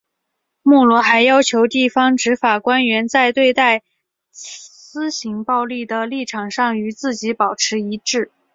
莫罗还要求地方执法官员在对待私刑暴力的立场上与自己保持一致。